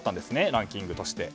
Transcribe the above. ランキングとして。